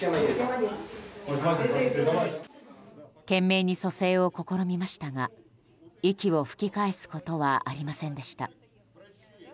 懸命に蘇生を試みましたが息を吹き返すことはありませんでした。